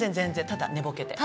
ただ寝ぼけて。